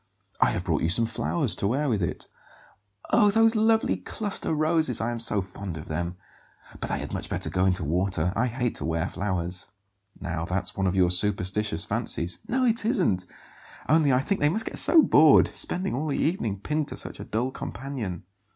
I have brought you some flowers to wear with it." "Oh, those lovely cluster roses; I am so fond of them! But they had much better go into water. I hate to wear flowers." "Now that's one of your superstitious fancies." "No, it isn't; only I think they must get so bored, spending all the evening pinned to such a dull companion."